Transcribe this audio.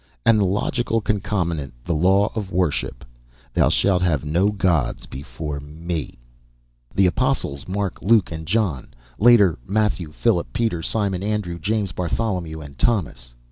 _ And the logical concomitant, the law of worship. Thou shalt have no gods before Me. The apostles ... Mark, Luke and John. Later, Matthew, Philip, Peter, Simon, Andrew, James, Bartholomew and Thomas.